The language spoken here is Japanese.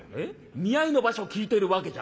見合いの場所聞いてるわけじゃないんだ。